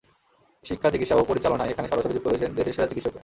শিক্ষা, চিকিৎসা ও পরিচালনায় এখানে সরাসরি যুক্ত রয়েছেন দেশের সেরা চিকিৎসকরা।